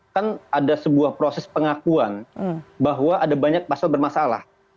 kan ada sebuah proses pengakuan bahwa ada banyak pasal bermasalah